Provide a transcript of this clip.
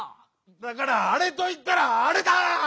だから「あれ」といったら「あれ」だ！